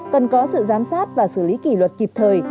cần có sự giám sát và xử lý kỷ luật kịp thời